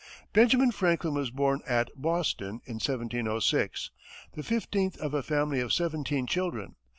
Benjamin Franklin was born at Boston in 1706, the fifteenth of a family of seventeen children.